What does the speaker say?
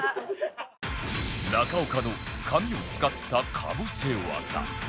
中岡の髪を使ったかぶせ技